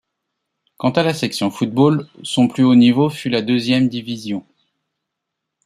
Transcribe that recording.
Quant à la section football, son plus haut niveau fut la deuxième division.